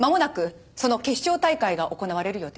まもなくその決勝大会が行われる予定です。